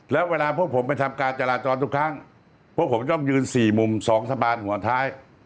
แล้วเวลาพวกผมไปทำการจราจรทุกครั้งพวกผมต้องยืน๔มุม๒สะพานหัวท้าย